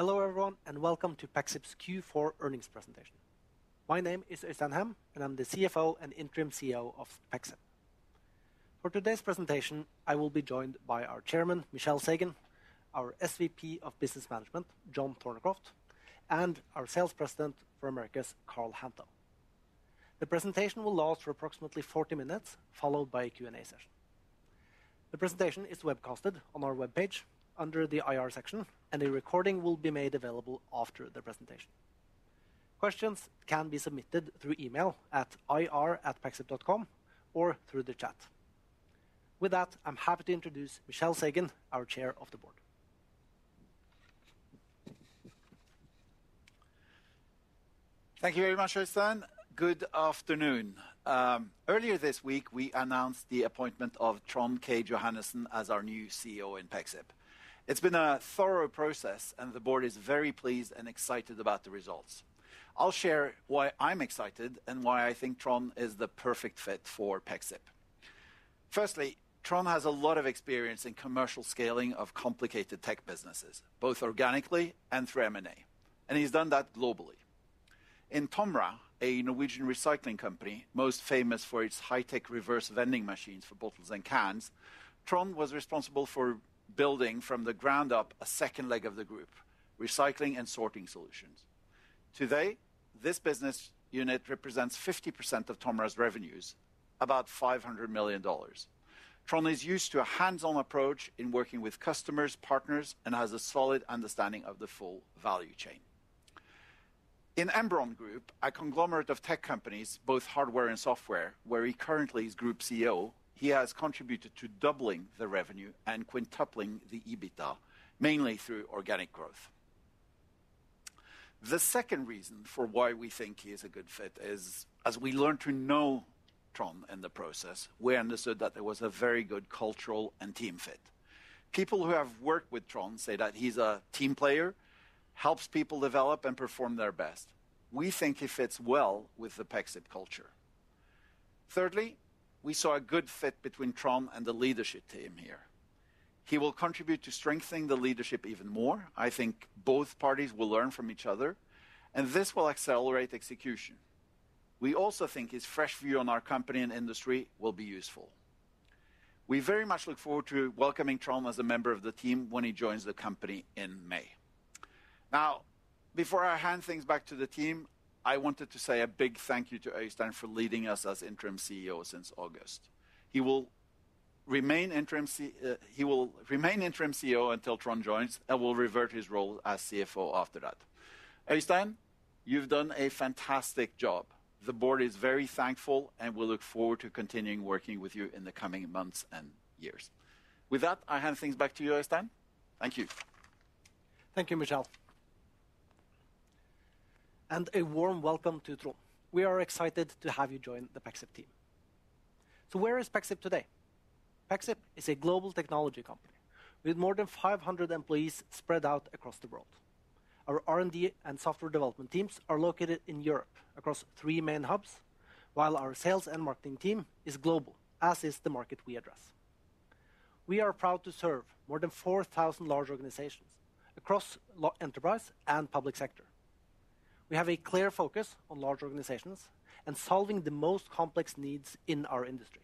Hello everyone, and welcome to Pexip's Q4 Earnings Presentation. My name is Øystein Hem, and I'm the CFO and Interim CEO of Pexip. For today's presentation, I will be joined by our Chairman, Michel Sagen, our SVP of Business Management, John Thorneycroft, and our President for the Americas, Karl Hantho. The presentation will last for approximately 40 minutes followed by a Q&A session. The presentation is webcast on our webpage under the IR section, and a recording will be made available after the presentation. Questions can be submitted through email at ir@pexip.com or through the chat. With that, I'm happy to introduce Michel Sagen, our Chair of the Board. Thank you very much, Øystein. Good afternoon. Earlier this week, we announced the appointment of Trond K. Johannessen as our new CEO in Pexip. It's been a thorough process, and the board is very pleased and excited about the results. I'll share why I'm excited and why I think Trond is the perfect fit for Pexip. Firstly, Trond has a lot of experience in commercial scaling of complicated tech businesses, both organically and through M&A, and he's done that globally. In TOMRA, a Norwegian recycling company most famous for its high-tech reverse vending machines for bottles and cans, Trond was responsible for building from the ground up a second leg of the group, Recycling and Sorting Solutions. Today, this business unit represents 50% of TOMRA's revenues, about $500 million. Trond is used to a hands-on approach in working with customers, partners, and has a solid understanding of the full value chain. In Embrn Group, a conglomerate of tech companies, both hardware and software, where he currently is Group CEO, he has contributed to doubling the revenue and quintupling the EBITDA, mainly through organic growth. The second reason for why we think he is a good fit is, as we learned to know Trond in the process, we understood that there was a very good cultural and team fit. People who have worked with Trond say that he's a team player, helps people develop and perform their best. We think he fits well with the Pexip culture. Thirdly, we saw a good fit between Trond and the leadership team here. He will contribute to strengthening the leadership even more. I think both parties will learn from each other, and this will accelerate execution. We also think his fresh view on our company and industry will be useful. We very much look forward to welcoming Trond as a member of the team when he joins the company in May. Now, before I hand things back to the team, I wanted to say a big thank you to Øystein for leading us as Interim CEO since August. He will remain Interim CEO until Trond joins and will revert to his role as CFO after that. Øystein, you've done a fantastic job. The board is very thankful, and we look forward to continuing working with you in the coming months and years. With that, I hand things back to you, Øystein. Thank you. Thank you, Michel. A warm welcome to Trond. We are excited to have you join the Pexip team. Where is Pexip today? Pexip is a global technology company with more than 500 employees spread out across the world. Our R&D and software development teams are located in Europe across three main hubs, while our sales and marketing team is global, as is the market we address. We are proud to serve more than 4,000 large organizations across enterprise and public sector. We have a clear focus on large organizations and solving the most complex needs in our industry.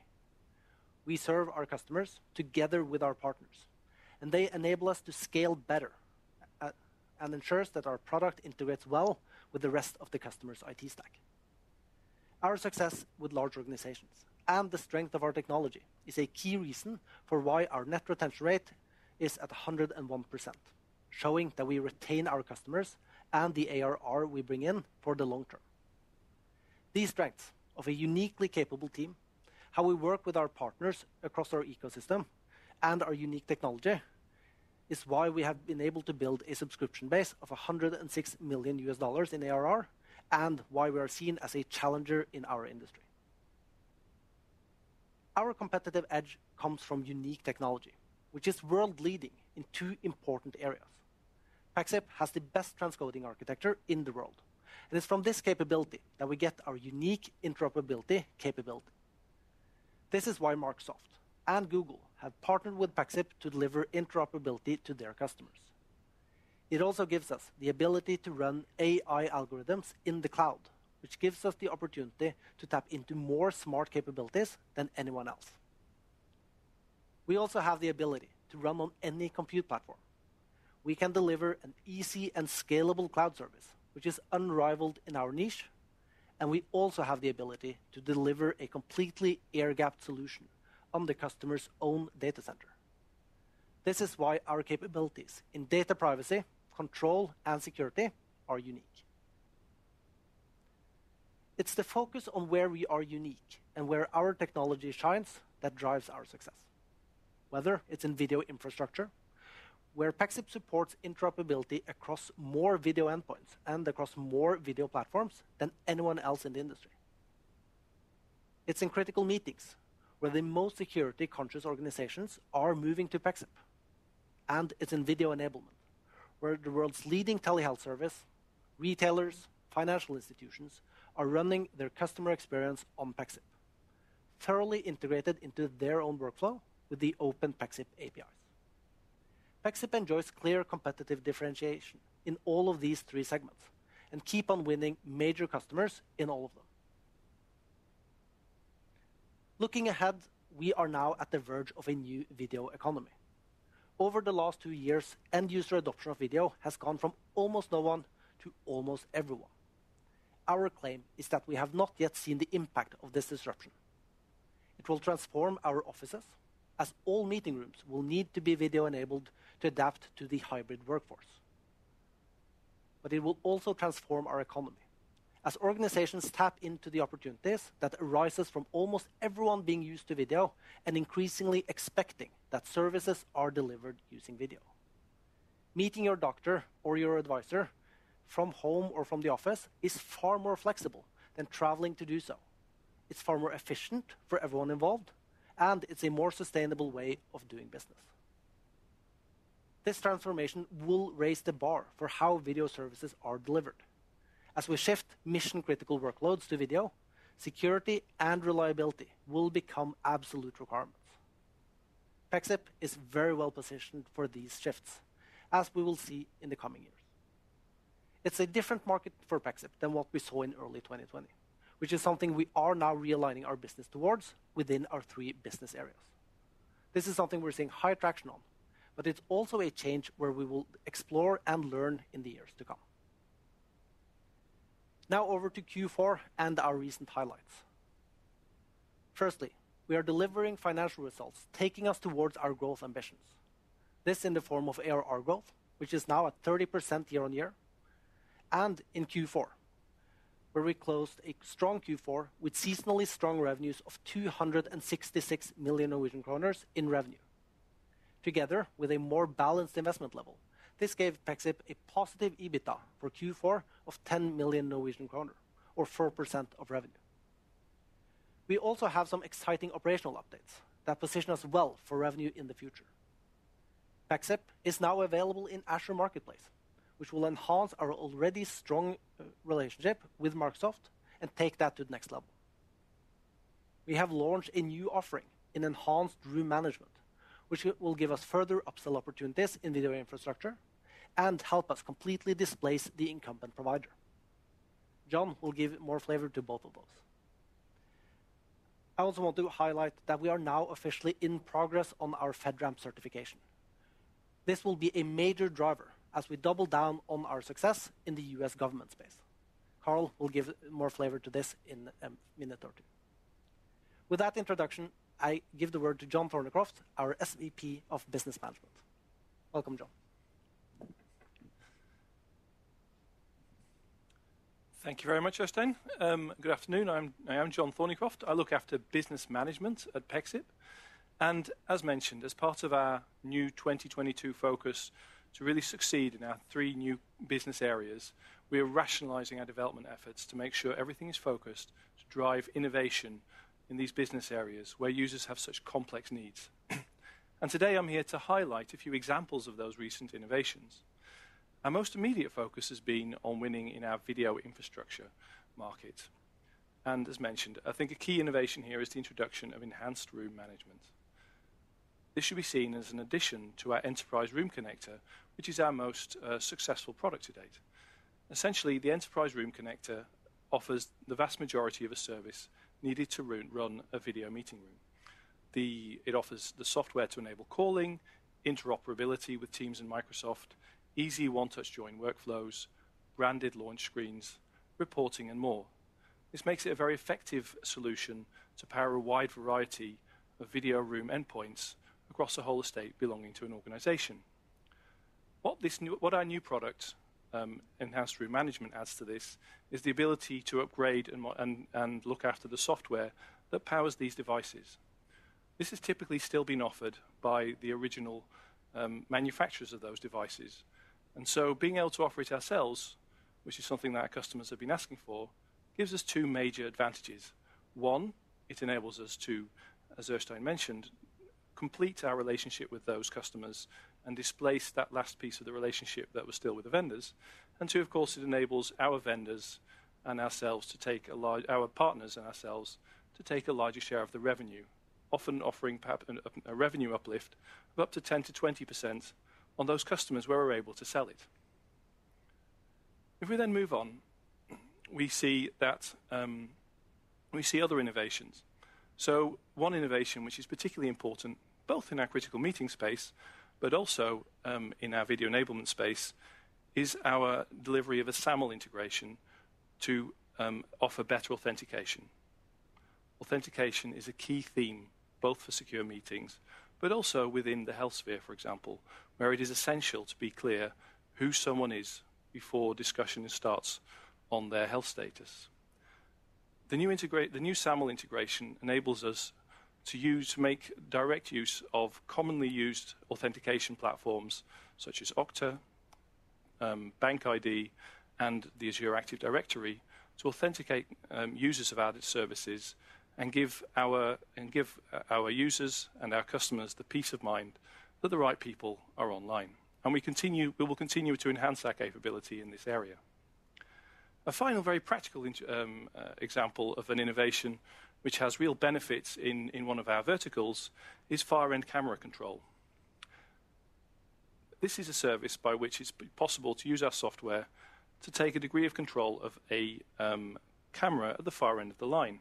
We serve our customers together with our partners, and they enable us to scale better and ensures that our product integrates well with the rest of the customer's IT stack. Our success with large organizations and the strength of our technology is a key reason for why our net retention rate is at 101%, showing that we retain our customers and the ARR we bring in for the long term. These strengths of a uniquely capable team, how we work with our partners across our ecosystem and our unique technology is why we have been able to build a subscription base of $106 million in ARR, and why we are seen as a challenger in our industry. Our competitive edge comes from unique technology, which is world leading in two important areas. Pexip has the best transcoding architecture in the world, and it's from this capability that we get our unique interoperability capability. This is why Microsoft and Google have partnered with Pexip to deliver interoperability to their customers. It also gives us the ability to run AI algorithms in the cloud, which gives us the opportunity to tap into more smart capabilities than anyone else. We also have the ability to run on any compute platform. We can deliver an easy and scalable cloud service, which is unrivaled in our niche, and we also have the ability to deliver a completely air-gapped solution on the customer's own data center. This is why our capabilities in data privacy, control, and security are unique. It's the focus on where we are unique and where our technology shines that drives our success. Whether it's in video infrastructure, where Pexip supports interoperability across more video endpoints and across more video platforms than anyone else in the industry. It's in critical meetings where the most security-conscious organizations are moving to Pexip, and it's in video enablement, where the world's leading telehealth service, retailers, financial institutions are running their customer experience on Pexip. Thoroughly integrated into their own workflow with the open Pexip APIs. Pexip enjoys clear competitive differentiation in all of these three segments and keep on winning major customers in all of them. Looking ahead, we are now on the verge of a new video economy. Over the last two years, end user adoption of video has gone from almost no one to almost everyone. Our claim is that we have not yet seen the impact of this disruption. It will transform our offices as all meeting rooms will need to be video enabled to adapt to the hybrid workforce. It will also transform our economy as organizations tap into the opportunities that arises from almost everyone being used to video and increasingly expecting that services are delivered using video. Meeting your doctor or your advisor from home or from the office is far more flexible than traveling to do so. It's far more efficient for everyone involved, and it's a more sustainable way of doing business. This transformation will raise the bar for how video services are delivered. As we shift mission-critical workloads to video, security and reliability will become absolute requirements. Pexip is very well positioned for these shifts, as we will see in the coming years. It's a different market for Pexip than what we saw in early 2020, which is something we are now realigning our business towards within our three business areas. This is something we're seeing high traction on, but it's also a change where we will explore and learn in the years to come. Now over to Q4 and our recent highlights. Firstly, we are delivering financial results, taking us towards our growth ambitions. This in the form of ARR growth, which is now at 30% year-on-year. In Q4, where we closed a strong Q4 with seasonally strong revenues of 266 million Norwegian kroner in revenue. Together with a more balanced investment level, this gave Pexip a positive EBITA for Q4 of 10 million Norwegian kroner or 4% of revenue. We also have some exciting operational updates that position us well for revenue in the future. Pexip is now available in Azure Marketplace, which will enhance our already strong relationship with Microsoft and take that to the next level. We have launched a new offering in Enhanced Room Management, which will give us further upsell opportunities in video infrastructure and help us completely displace the incumbent provider. John will give more flavor to both of those. I also want to highlight that we are now officially in progress on our FedRAMP certification. This will be a major driver as we double down on our success in the U.S. government space. Karl will give more flavor to this in minute thirty. With that introduction, I give the word to John Thorneycroft, our SVP of Business Management. Welcome, John. Thank you very much, Øystein. Good afternoon. I'm John Thorneycroft. I look after business management at Pexip, and as mentioned, as part of our new 2022 focus to really succeed in our three new business areas, we are rationalizing our development efforts to make sure everything is focused to drive innovation in these business areas where users have such complex needs. Today, I'm here to highlight a few examples of those recent innovations. Our most immediate focus has been on winning in our video infrastructure market. As mentioned, I think a key innovation here is the introduction of Enhanced Room Management. This should be seen as an addition to our Enterprise Room Connector, which is our most successful product to date. Essentially, the Enterprise Room Connector offers the vast majority of a service needed to run a video meeting room. The It offers the software to enable calling, interoperability with Teams and Microsoft, easy One-Touch Join workflows, branded launch screens, reporting, and more. This makes it a very effective solution to power a wide variety of video room endpoints across a whole estate belonging to an organization. What our new product, Enhanced Room Management, adds to this is the ability to upgrade and look after the software that powers these devices. This is typically still being offered by the original manufacturers of those devices. Being able to offer it ourselves, which is something that our customers have been asking for, gives us two major advantages. One, it enables us to, as Øystein mentioned, complete our relationship with those customers and displace that last piece of the relationship that was still with the vendors. Two, of course, it enables our partners and ourselves to take a larger share of the revenue, often offering a revenue uplift of up to 10%-20% on those customers where we're able to sell it. If we then move on, we see other innovations. One innovation which is particularly important, both in our critical meeting space but also in our video enablement space, is our delivery of a SAML integration to offer better authentication. Authentication is a key theme both for secure meetings but also within the health sphere, for example, where it is essential to be clear who someone is before discussion starts on their health status. The new SAML integration enables us to use, make direct use of commonly used authentication platforms such as Okta, BankID, and the Azure Active Directory to authenticate, users of our services and give our users and our customers the peace of mind that the right people are online. We will continue to enhance that capability in this area. A final very practical example of an innovation which has real benefits in one of our verticals is far-end camera control. This is a service by which it's possible to use our software to take a degree of control of a camera at the far end of the line.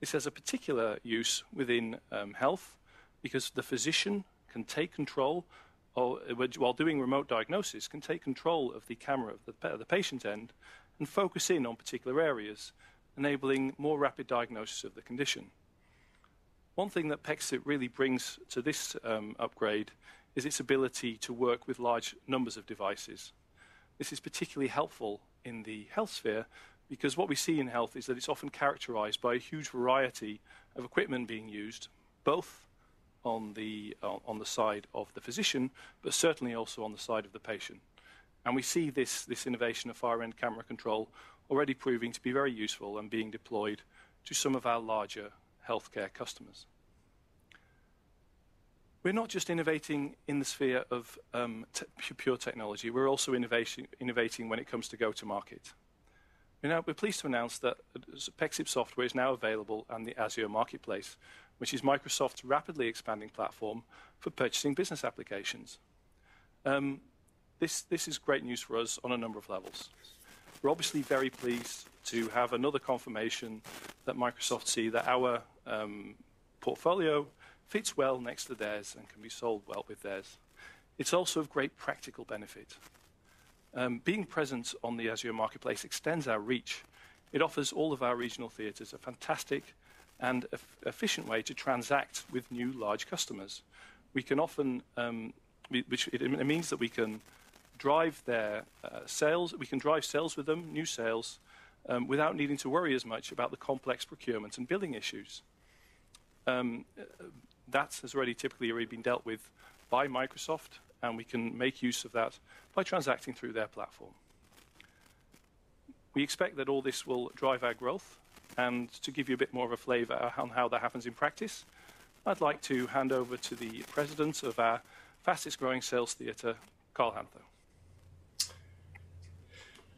This has a particular use within health because the physician can take control while doing remote diagnosis, can take control of the camera of the patient end and focus in on particular areas, enabling more rapid diagnosis of the condition. One thing that Pexip really brings to this upgrade is its ability to work with large numbers of devices. This is particularly helpful in the health sphere because what we see in health is that it's often characterized by a huge variety of equipment being used, both on the side of the physician, but certainly also on the side of the patient. We see this innovation of far-end camera control already proving to be very useful and being deployed to some of our larger healthcare customers. We're not just innovating in the sphere of pure technology. We're also innovating when it comes to go to market. We're pleased to announce that Pexip software is now available on the Azure Marketplace, which is Microsoft's rapidly expanding platform for purchasing business applications. This is great news for us on a number of levels. We're obviously very pleased to have another confirmation that Microsoft see that our portfolio fits well next to theirs and can be sold well with theirs. It's also of great practical benefit. Being present on the Azure Marketplace extends our reach. It offers all of our regional theaters a fantastic and efficient way to transact with new large customers. We can often, which means that we can drive their sales. We can drive sales with them, new sales, without needing to worry as much about the complex procurements and billing issues. That has already typically been dealt with by Microsoft, and we can make use of that by transacting through their platform. We expect that all this will drive our growth and to give you a bit more of a flavor on how that happens in practice, I'd like to hand over to the president of our fastest growing sales theater, Karl Hantho.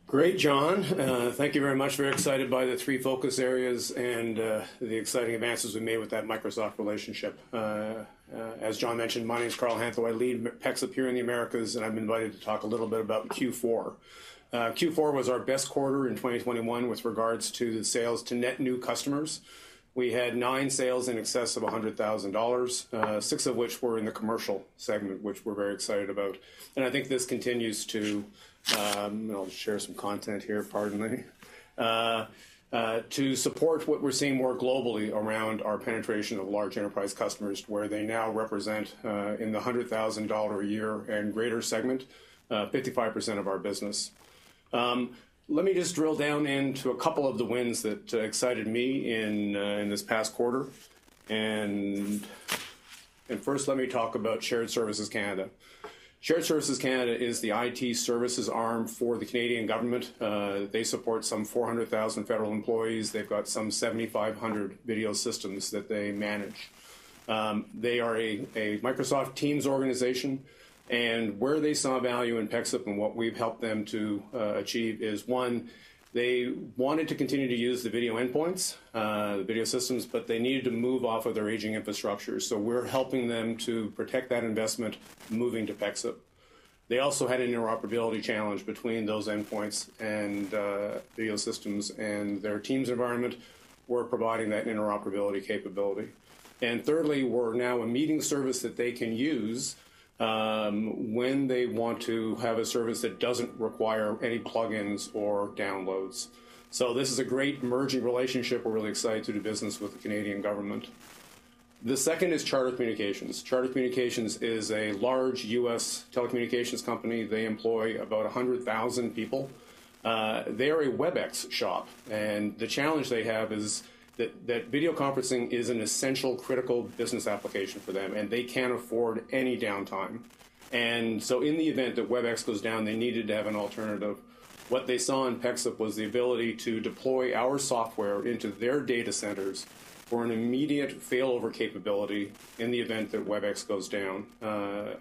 Great, John. Thank you very much. Very excited by the three focus areas and the exciting advances we made with that Microsoft relationship. As John mentioned, my name is Karl Hantho. I lead Pexip here in the Americas, and I'm invited to talk a little bit about Q4. Q4 was our best quarter in 2021 with regards to the sales to net new customers. We had nine sales in excess of $100,000, six of which were in the commercial segment, which we're very excited about. I think this continues to support what we're seeing more globally around our penetration of large enterprise customers, where they now represent, in the $100,000 a year and greater segment, 55% of our business. I'll share some content here, pardon me. Let me just drill down into a couple of the wins that excited me in this past quarter. First, let me talk about Shared Services Canada. Shared Services Canada is the IT services arm for the Canadian government. They support some 400,000 federal employees. They've got some 7,500 video systems that they manage. They are a Microsoft Teams organization, and where they saw value in Pexip and what we've helped them to achieve is, one, they wanted to continue to use the video endpoints, the video systems, but they needed to move off of their aging infrastructure. We're helping them to protect that investment, moving to Pexip. They also had an interoperability challenge between those endpoints and video systems and their Teams environment. We're providing that interoperability capability. Thirdly, we're now a meeting service that they can use when they want to have a service that doesn't require any plugins or downloads. This is a great emerging relationship. We're really excited to do business with the Canadian government. The second is Charter Communications. Charter Communications is a large U.S. telecommunications company. They employ about 100,000 people. They're a Webex shop, and the challenge they have is that video conferencing is an essential critical business application for them, and they can't afford any downtime. In the event that Webex goes down, they needed to have an alternative. What they saw in Pexip was the ability to deploy our software into their data centers for an immediate failover capability in the event that Webex goes down.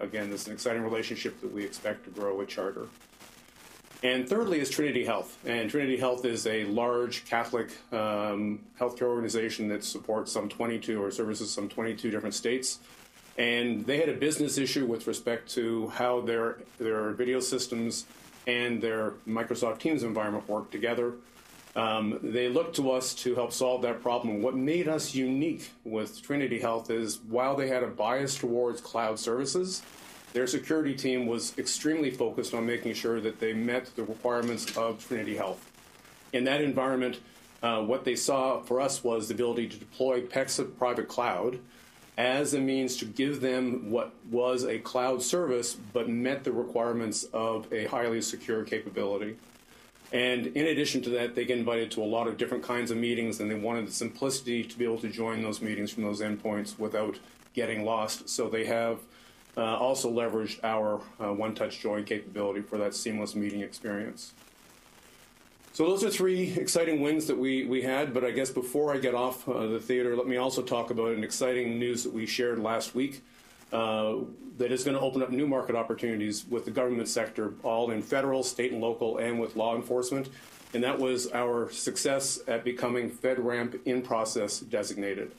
Again, this is an exciting relationship that we expect to grow with Charter. Thirdly is Trinity Health. Trinity Health is a large Catholic healthcare organization that services 22 different states. They had a business issue with respect to how their video systems and their Microsoft Teams environment work together. They looked to us to help solve that problem. What made us unique with Trinity Health is, while they had a bias towards cloud services, their security team was extremely focused on making sure that they met the requirements of Trinity Health. In that environment, what they saw for us was the ability to deploy Pexip Private Cloud as a means to give them what was a cloud service, but met the requirements of a highly secure capability. In addition to that, they get invited to a lot of different kinds of meetings, and they wanted the simplicity to be able to join those meetings from those endpoints without getting lost. They have also leveraged our One-Touch Join capability for that seamless meeting experience. Those are three exciting wins that we had, but I guess before I get off the topic, let me also talk about an exciting news that we shared last week that is gonna open up new market opportunities with the government sector, all in federal, state, and local, and with law enforcement, and that was our success at becoming FedRAMP In-Process designated.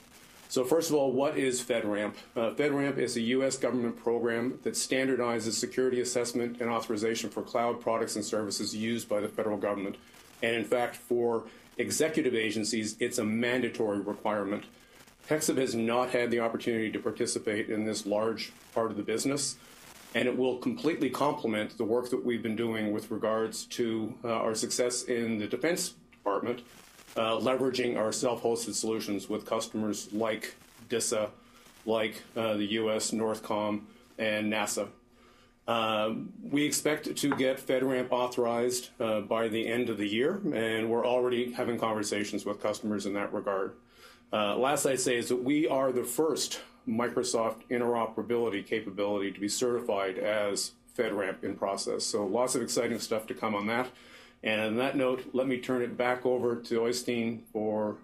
First of all, what is FedRAMP? FedRAMP is a U.S. government program that standardizes security assessment and authorization for cloud products and services used by the federal government. In fact, for executive agencies, it's a mandatory requirement. Pexip has not had the opportunity to participate in this large part of the business, and it will completely complement the work that we've been doing with regards to our success in the defense department, leveraging our self-hosted solutions with customers like DISA, like the USNORTHCOM and NASA. We expect to get FedRAMP authorized by the end of the year, and we're already having conversations with customers in that regard. Lastly, I say is that we are the first Microsoft interoperability capability to be certified as FedRAMP in process. Lots of exciting stuff to come on that. On that note, let me turn it back over to Øystein for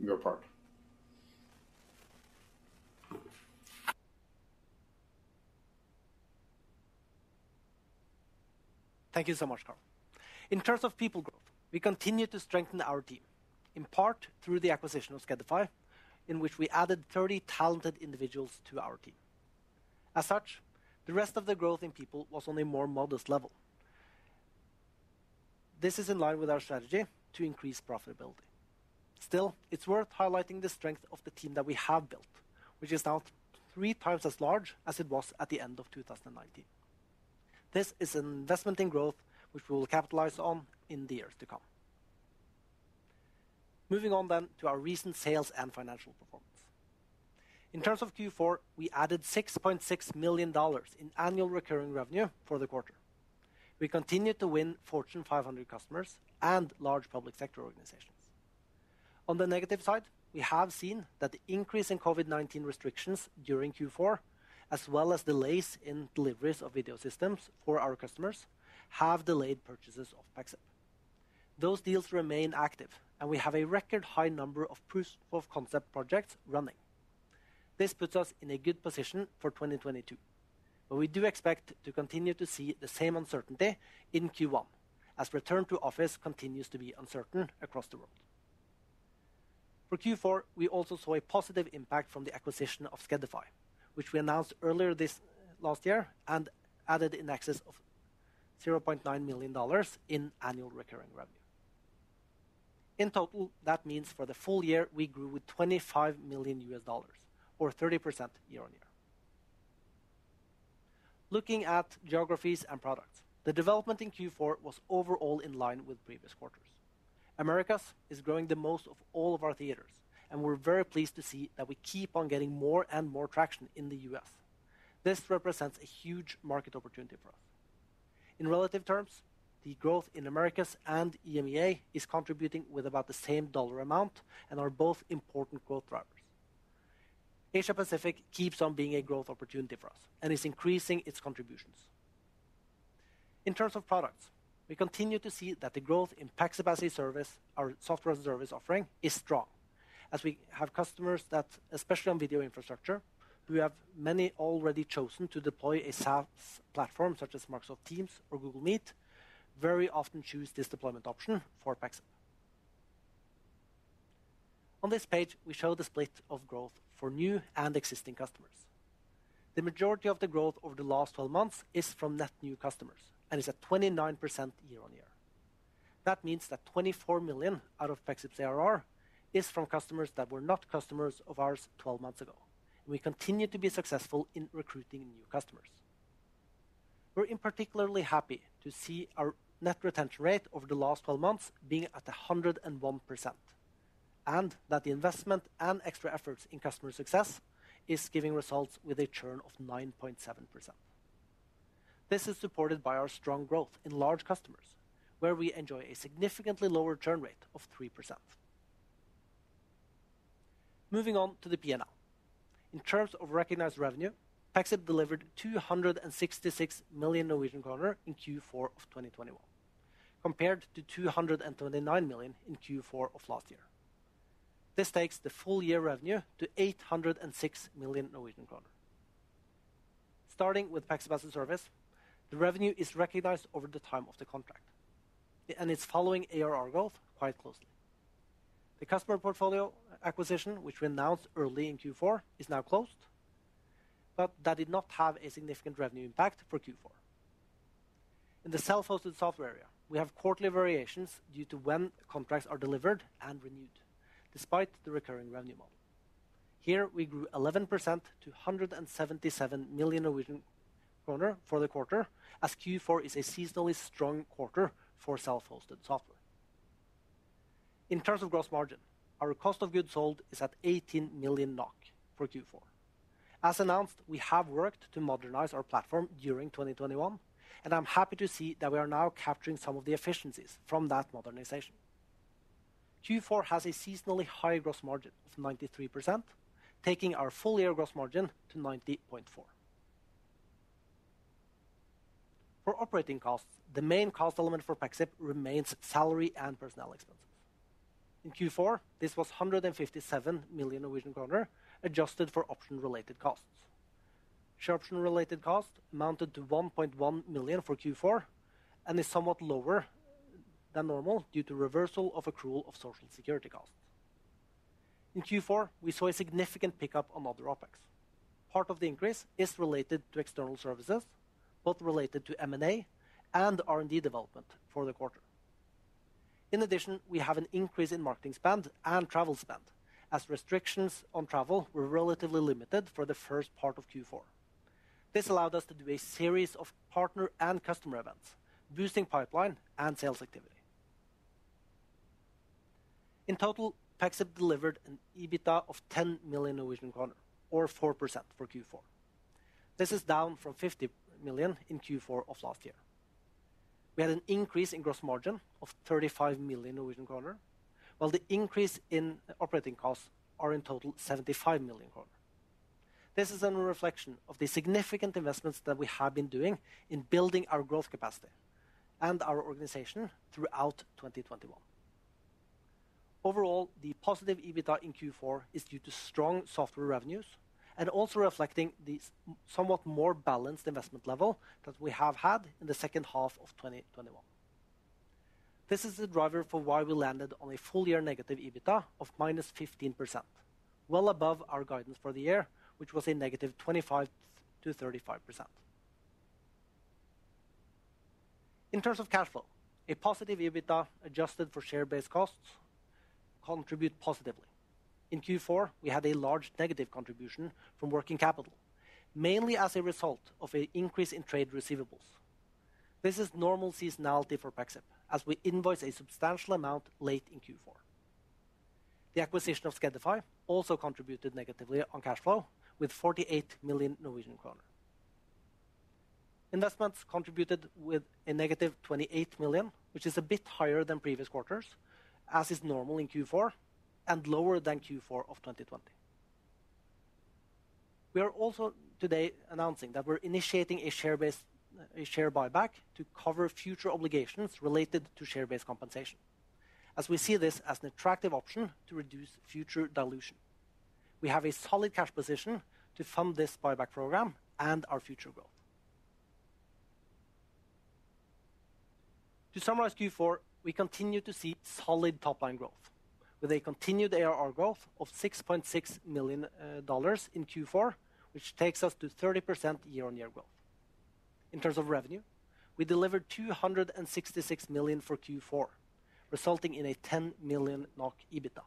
your part. Thank you so much, Karl. In terms of people growth, we continue to strengthen our team, in part through the acquisition of Skedify, in which we added 30 talented individuals to our team. As such, the rest of the growth in people was on a more modest level. This is in line with our strategy to increase profitability. Still, it's worth highlighting the strength of the team that we have built, which is now three times as large as it was at the end of 2019. This is an investment in growth which we will capitalize on in the years to come. Moving on to our recent sales and financial performance. In terms of Q4, we added $6.6 million in annual recurring revenue for the quarter. We continued to win Fortune 500 customers and large public sector organizations. On the negative side, we have seen that the increase in COVID-19 restrictions during Q4, as well as delays in deliveries of video systems for our customers, have delayed purchases of Pexip. Those deals remain active, and we have a record high number of proof of concept projects running. This puts us in a good position for 2022, but we do expect to continue to see the same uncertainty in Q1 as return to office continues to be uncertain across the world. For Q4, we also saw a positive impact from the acquisition of Skedify, which we announced earlier this last year and added in excess of $0.9 million in annual recurring revenue. In total, that means for the full year, we grew with $25 million or 30% year-on-year. Looking at geographies and products, the development in Q4 was overall in line with previous quarters. Americas is growing the most of all of our theaters, and we're very pleased to see that we keep on getting more and more traction in the U.S. This represents a huge market opportunity for us. In relative terms, the growth in Americas and EMEA is contributing with about the same dollar amount and are both important growth drivers. Asia-Pacific keeps on being a growth opportunity for us and is increasing its contributions. In terms of products, we continue to see that the growth in Pexip as a service, our software service offering, is strong. As we have customers that, especially on video infrastructure, who have many already chosen to deploy a SaaS platform such as Microsoft Teams or Google Meet, very often choose this deployment option for Pexip. On this page, we show the split of growth for new and existing customers. The majority of the growth over the last 12 months is from net new customers and is at 29% year-over-year. That means that $24 million out of Pexip's ARR is from customers that were not customers of ours 12 months ago. We continue to be successful in recruiting new customers. We're particularly happy to see our net retention rate over the last 12 months being at 101%, and that the investment and extra efforts in customer success is giving results with a churn of 9.7%. This is supported by our strong growth in large customers, where we enjoy a significantly lower churn rate of 3%. Moving on to the P&L. In terms of recognized revenue, Pexip delivered 266 million Norwegian kroner in Q4 of 2021, compared to 229 million in Q4 of last year. This takes the full year revenue to 806 million Norwegian kroner. Starting with Pexip as a service, the revenue is recognized over the time of the contract, and it's following ARR growth quite closely. The customer portfolio acquisition, which we announced early in Q4, is now closed, but that did not have a significant revenue impact for Q4. In the self-hosted software area, we have quarterly variations due to when contracts are delivered and renewed, despite the recurring revenue model. Here we grew 11% to 177 million Norwegian kroner for the quarter as Q4 is a seasonally strong quarter for self-hosted software. In terms of gross margin, our cost of goods sold is at 18 million NOK for Q4. As announced, we have worked to modernize our platform during 2021, and I'm happy to see that we are now capturing some of the efficiencies from that modernization. Q4 has a seasonally high gross margin of 93%, taking our full year gross margin to 90.4%. For operating costs, the main cost element for Pexip remains salary and personnel expenses. In Q4, this was 157 million Norwegian kroner, adjusted for option-related costs. Option-related costs amounted to 1.1 million for Q4, and is somewhat lower than normal due to reversal of accrual of social security costs. In Q4, we saw a significant pickup on other OPEX. Part of the increase is related to external services, both related to M&A and R&D development for the quarter. In addition, we have an increase in marketing spend and travel spend, as restrictions on travel were relatively limited for the first part of Q4. This allowed us to do a series of partner and customer events, boosting pipeline and sales activity. In total, Pexip delivered an EBITDA of 10 million, or 4% for Q4. This is down from 50 million in Q4 of last year. We had an increase in gross margin of 35 million Norwegian kroner, while the increase in operating costs are in total 75 million kroner. This is a reflection of the significant investments that we have been doing in building our growth capacity and our organization throughout 2021. Overall, the positive EBITDA in Q4 is due to strong software revenues and also reflecting the somewhat more balanced investment level that we have had in the second half of 2021. This is the driver for why we landed on a full-year negative EBITDA of -15%, well above our guidance for the year, which was a negative 25%-35%. In terms of cash flow, a positive EBITDA adjusted for share-based costs contribute positively. In Q4, we had a large negative contribution from working capital, mainly as a result of an increase in trade receivables. This is normal seasonality for Pexip, as we invoice a substantial amount late in Q4. The acquisition of Skedify also contributed negatively on cash flow, with 48 million Norwegian kroner. Investments contributed with a negative 28 million, which is a bit higher than previous quarters, as is normal in Q4 and lower than Q4 of 2020. We are also today announcing that we're initiating a share buyback to cover future obligations related to share-based compensation, as we see this as an attractive option to reduce future dilution. We have a solid cash position to fund this buyback program and our future growth. To summarize Q4, we continue to see solid top-line growth with a continued ARR growth of $6.6 million in Q4, which takes us to 30% year-on-year growth. In terms of revenue, we delivered 266 million for Q4, resulting in 10 million NOK EBITDA.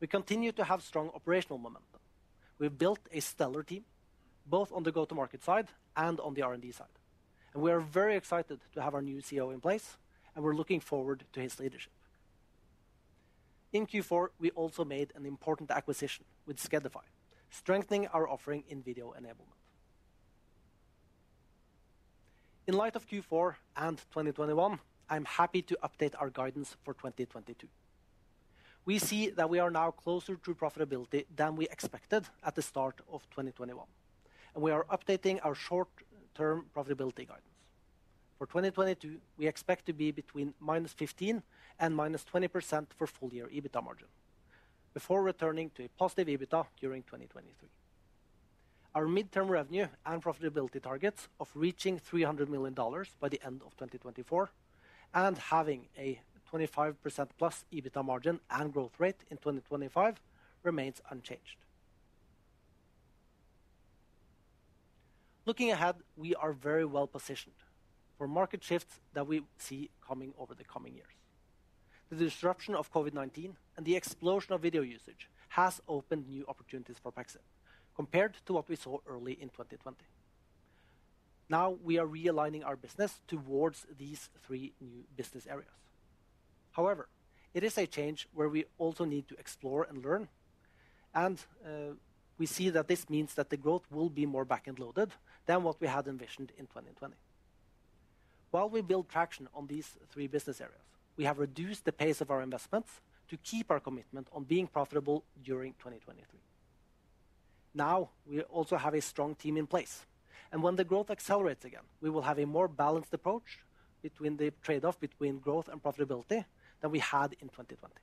We continue to have strong operational momentum. We've built a stellar team, both on the go-to-market side and on the R&D side, and we are very excited to have our new CEO in place and we're looking forward to his leadership. In Q4, we also made an important acquisition with Skedify, strengthening our offering in video enablement. In light of Q4 and 2021, I'm happy to update our guidance for 2022. We see that we are now closer to profitability than we expected at the start of 2021, and we are updating our short-term profitability guidance. For 2022, we expect to be between -15% and -20% for full year EBITDA margin, before returning to a positive EBITDA during 2023. Our midterm revenue and profitability targets of reaching $300 million by the end of 2024 and having a 25%+ EBITDA margin and growth rate in 2025 remains unchanged. Looking ahead, we are very well-positioned for market shifts that we see coming over the coming years. The disruption of COVID-19 and the explosion of video usage has opened new opportunities for Pexip compared to what we saw early in 2020. Now we are realigning our business towards these three new business areas. However, it is a change where we also need to explore and learn and we see that this means that the growth will be more back-end loaded than what we had envisioned in 2020. While we build traction on these three business areas, we have reduced the pace of our investments to keep our commitment on being profitable during 2023. Now we also have a strong team in place, and when the growth accelerates again, we will have a more balanced approach between the trade-off between growth and profitability than we had in 2020.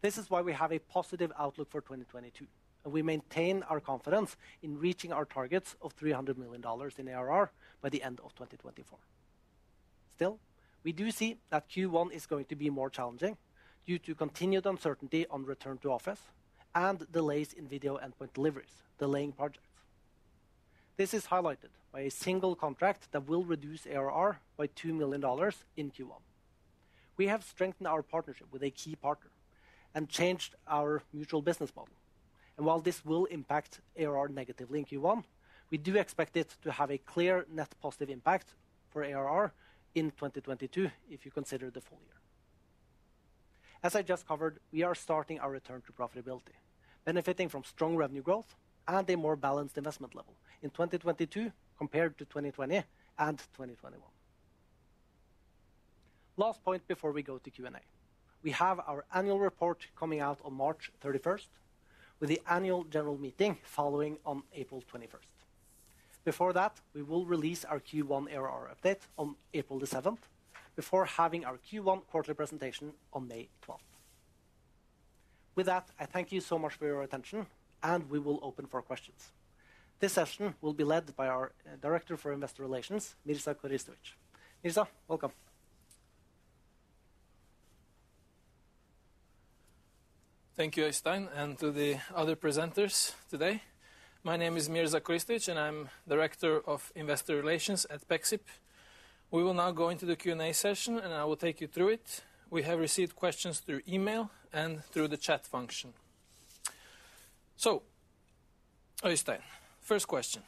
This is why we have a positive outlook for 2022, and we maintain our confidence in reaching our targets of $300 million in ARR by the end of 2024. Still, we do see that Q1 is going to be more challenging due to continued uncertainty on return to office and delays in video endpoint deliveries, delaying projects. This is highlighted by a single contract that will reduce ARR by $2 million in Q1. We have strengthened our partnership with a key partner and changed our mutual business model. While this will impact ARR negatively in Q1, we do expect it to have a clear net positive impact for ARR in 2022 if you consider the full year. As I just covered, we are starting our return to profitability, benefiting from strong revenue growth and a more balanced investment level in 2022 compared to 2020 and 2021. Last point before we go to Q&A. We have our annual report coming out on March 31st, with the annual general meeting following on April 21st. Before that, we will release our Q1 ARR update on April 7th, before having our Q1 quarterly presentation on May 12th. With that, I thank you so much for your attention, and we will open for questions. This session will be led by our director for investor relations, Mirza Koristovic. Mirza, welcome. Thank you, Øystein, and to the other presenters today. My name is Mirza Koristovic, and I'm Director of Investor Relations at Pexip. We will now go into the Q&A session, and I will take you through it. We have received questions through email and through the chat function. Øystein, first question.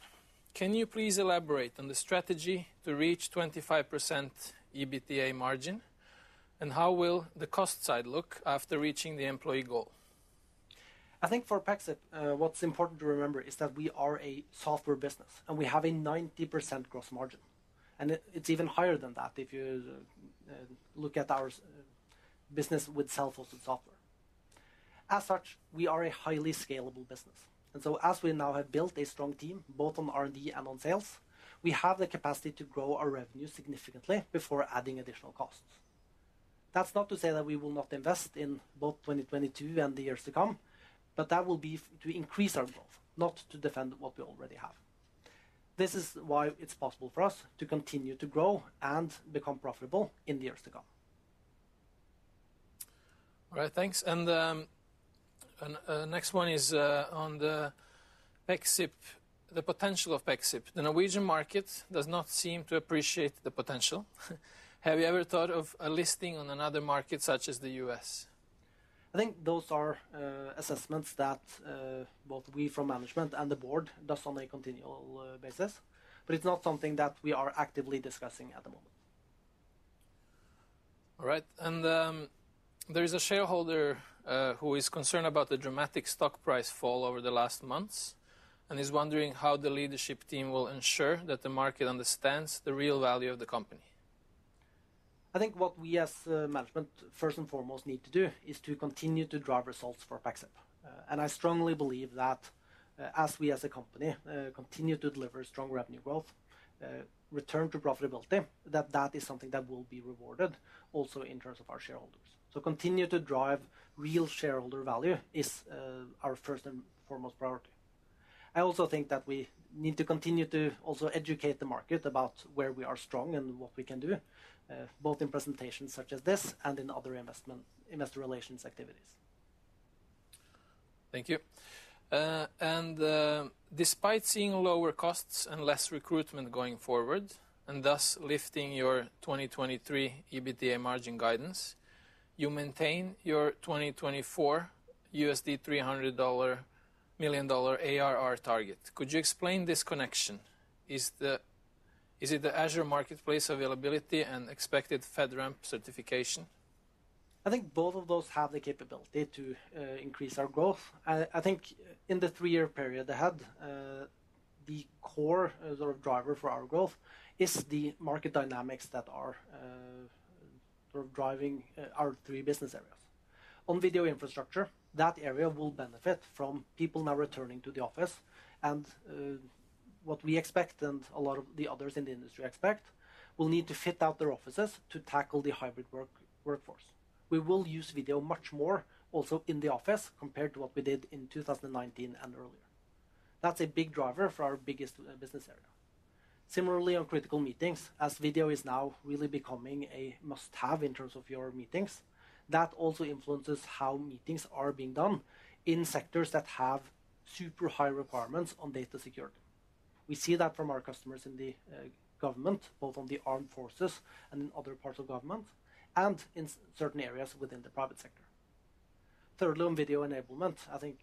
Can you please elaborate on the strategy to reach 25% EBITA margin? And how will the cost side look after reaching the employee goal? I think for Pexip, what's important to remember is that we are a software business, and we have a 90% gross margin. It's even higher than that if you look at our business with self-hosted software. As such, we are a highly scalable business. As we now have built a strong team, both on R&D and on sales, we have the capacity to grow our revenue significantly before adding additional costs. That's not to say that we will not invest in both 2022 and the years to come, but that will be to increase our growth, not to defend what we already have. This is why it's possible for us to continue to grow and become profitable in the years to come. All right. Thanks. Next one is on the Pexip, the potential of Pexip. The Norwegian market does not seem to appreciate the potential. Have you ever thought of a listing on another market such as the U.S.? I think those are assessments that both we from management and the board does on a continual basis, but it's not something that we are actively discussing at the moment. All right. There is a shareholder who is concerned about the dramatic stock price fall over the last months and is wondering how the leadership team will ensure that the market understands the real value of the company. I think what we as management first and foremost need to do is to continue to drive results for Pexip. I strongly believe that as we as a company continue to deliver strong revenue growth, return to profitability, that is something that will be rewarded also in terms of our shareholders. Continue to drive real shareholder value is our first and foremost priority. I also think that we need to continue to also educate the market about where we are strong and what we can do, both in presentations such as this and in other investor relations activities. Thank you. Despite seeing lower costs and less recruitment going forward, and thus lifting your 2023 EBITA margin guidance, you maintain your 2024 $300 million ARR target. Could you explain this connection? Is it the Azure Marketplace availability and expected FedRAMP certification? I think both of those have the capability to increase our growth. I think in the three-year period ahead, the core sort of driver for our growth is the market dynamics that are sort of driving our three business areas. On video infrastructure, that area will benefit from people now returning to the office and what we expect and a lot of the others in the industry expect will need to fit out their offices to tackle the hybrid workforce. We will use video much more also in the office compared to what we did in 2019 and earlier. That's a big driver for our biggest business area. Similarly, on critical meetings, as video is now really becoming a must-have in terms of your meetings, that also influences how meetings are being done in sectors that have super high requirements on data security. We see that from our customers in the government, both on the armed forces and in other parts of government, and in certain areas within the private sector. Thirdly, on video enablement, I think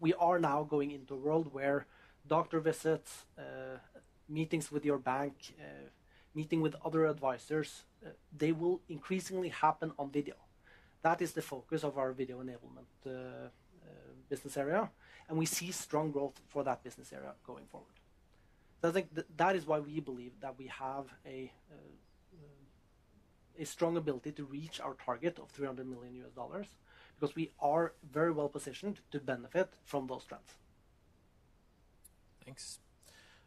we are now going into a world where doctor visits, meetings with your bank, meeting with other advisors, they will increasingly happen on video. That is the focus of our video enablement business area, and we see strong growth for that business area going forward. I think that is why we believe that we have a strong ability to reach our target of $300 million, because we are very well positioned to benefit from those trends. Thanks.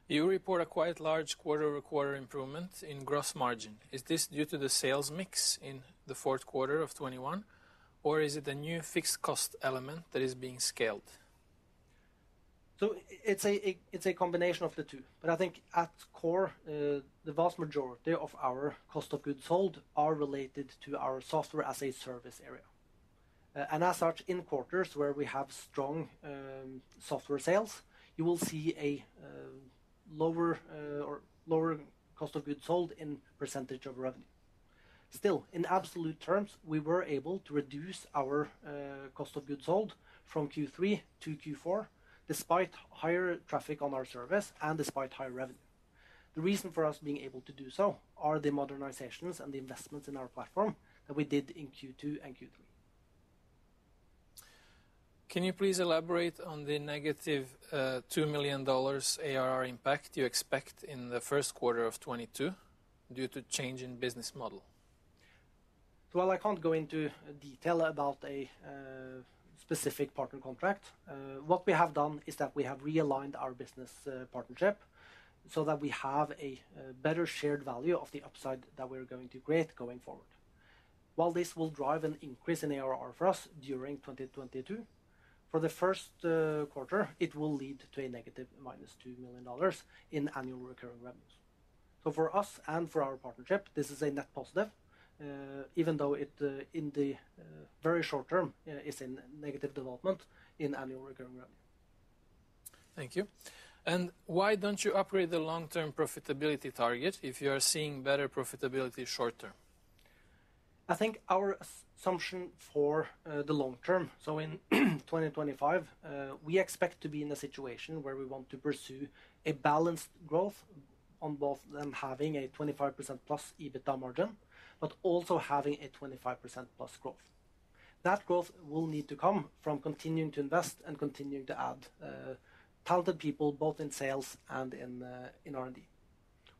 You report a quite large quarter-over-quarter improvement in gross margin. Is this due to the sales mix in the fourth quarter of 2021, or is it a new fixed cost element that is being scaled? It's a combination of the two, but I think at core, the vast majority of our cost of goods sold are related to our software as a service area. As such, in quarters where we have strong software sales, you will see a lower cost of goods sold in percentage of revenue. Still, in absolute terms, we were able to reduce our cost of goods sold from Q3-Q4, despite higher traffic on our service and despite higher revenue. The reason for us being able to do so are the modernizations and the investments in our platform that we did in Q2 and Q3. Can you please elaborate on the negative $2 million ARR impact you expect in the first quarter of 2022 due to change in business model? Well, I can't go into detail about a specific partner contract. What we have done is that we have realigned our business partnership so that we have a better shared value of the upside that we're going to create going forward. While this will drive an increase in ARR for us during 2022, for the first quarter, it will lead to a negative -$2 million in annual recurring revenues. For us and for our partnership, this is a net positive, even though it, in the very short term, is in negative development in annual recurring revenue. Thank you. Why don't you upgrade the long-term profitability target if you are seeing better profitability short term? I think our assumption for the long term, so in 2025, we expect to be in a situation where we want to pursue a balanced growth on both them having a 25%+ EBITA margin, but also having a 25%+ growth. That growth will need to come from continuing to invest and continuing to add talented people, both in sales and in R&D.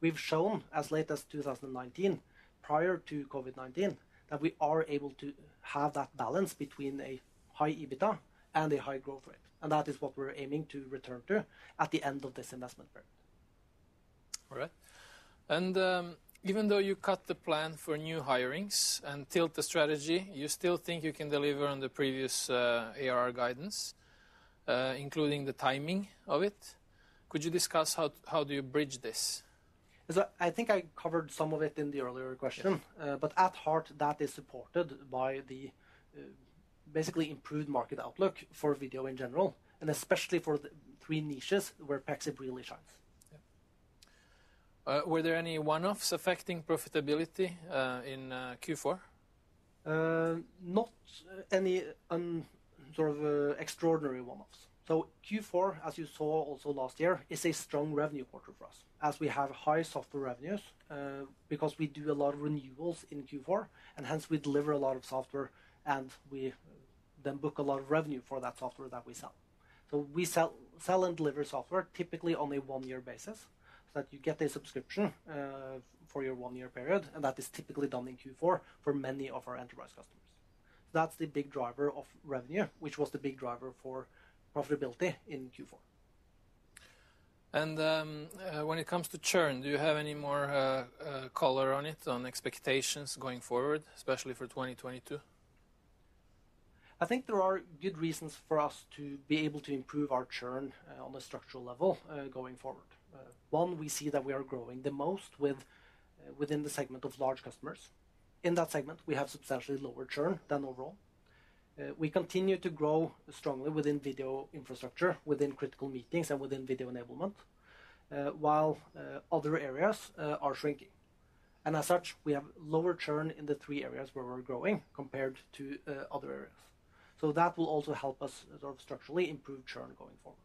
We've shown as late as 2019, prior to COVID-19, that we are able to have that balance between a high EBITA and a high growth rate, and that is what we're aiming to return to at the end of this investment period. All right. Even though you cut the plan for new hirings and tilt the strategy, you still think you can deliver on the previous ARR guidance, including the timing of it. Could you discuss how do you bridge this? I think I covered some of it in the earlier question. Yeah. At heart, that is supported by the basically improved market outlook for video in general, and especially for the three niches where Pexip really shines. Yeah. Were there any one-offs affecting profitability in Q4? Not any sort of extraordinary one-offs. Q4, as you saw also last year, is a strong revenue quarter for us as we have high software revenues because we do a lot of renewals in Q4, and hence we deliver a lot of software, and we then book a lot of revenue for that software that we sell. We sell and deliver software typically on a one-year basis, so that you get a subscription for your one-year period, and that is typically done in Q4 for many of our enterprise customers. That's the big driver of revenue, which was the big driver for profitability in Q4. When it comes to churn, do you have any more color on it, on expectations going forward, especially for 2022? I think there are good reasons for us to be able to improve our churn on a structural level going forward. One, we see that we are growing the most within the segment of large customers. In that segment, we have substantially lower churn than overall. We continue to grow strongly within video infrastructure, within critical meetings, and within video enablement while other areas are shrinking. As such, we have lower churn in the three areas where we're growing compared to other areas. That will also help us sort of structurally improve churn going forward.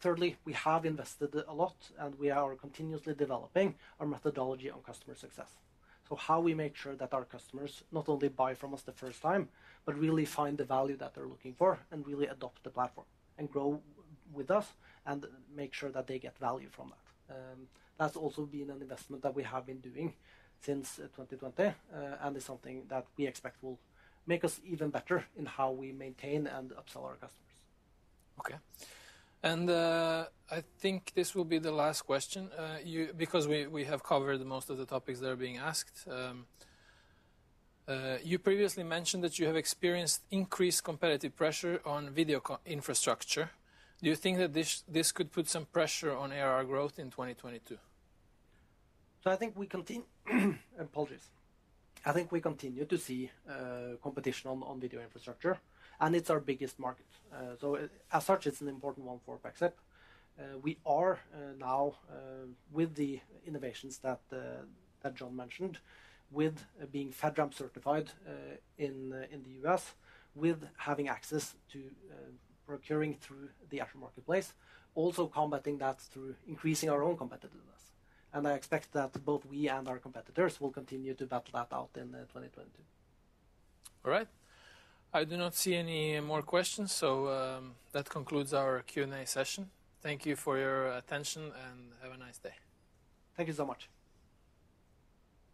Thirdly, we have invested a lot, and we are continuously developing our methodology on customer success. How we make sure that our customers not only buy from us the first time, but really find the value that they're looking for and really adopt the platform and grow with us and make sure that they get value from that. That's also been an investment that we have been doing since 2020, and is something that we expect will make us even better in how we maintain and upsell our customers. Okay. I think this will be the last question, because we have covered most of the topics that are being asked. You previously mentioned that you have experienced increased competitive pressure on video conferencing infrastructure. Do you think that this could put some pressure on ARR growth in 2022? I think we continue to see competition on video infrastructure, and it's our biggest market. As such, it's an important one for Pexip. We are now with the innovations that John mentioned, with being FedRAMP certified in the U.S., with having access to procuring through the Azure Marketplace, also combating that through increasing our own competitiveness. I expect that both we and our competitors will continue to battle that out in 2022. All right. I do not see any more questions, so, that concludes our Q&A session. Thank you for your attention, and have a nice day. Thank you so much.